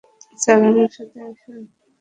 Sir আমার সাথে আসুন।